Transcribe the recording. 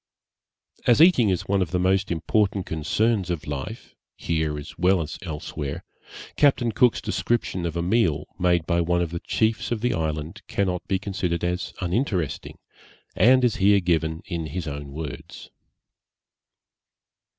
As eating is one of the most important concerns of life, here as well as elsewhere, Captain Cook's description of a meal made by one of the chiefs of the island cannot be considered as uninteresting, and is here given in his own words.